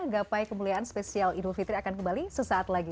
gapai kemuliaan spesial idul fitri akan kembali sesaat lagi